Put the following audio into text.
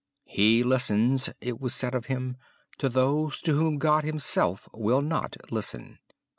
"He listens," it was said of him, "to those to whom God himself will not listen."